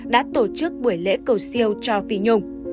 đã tổ chức buổi lễ cầu siêu cho phi nhung